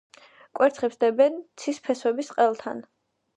კვერცხებს დებენ ცის ფესვების ყელთან.